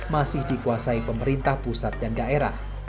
masih dikuasai pemerintah pusat dan daerah